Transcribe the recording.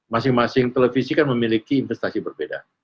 masing masing televisi kan memiliki investasi berbeda